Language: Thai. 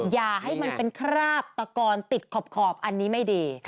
อย่าให้มันเป็นคราบตะกอนติดขอบอันนี้ไม่ดี